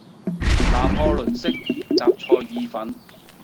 拿破崙式什菜意粉